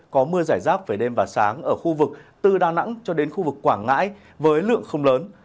có mưa giải rác về đêm và sáng ở khu vực từ đà nẵng cho đến khu vực quảng ngãi với lượng không lớn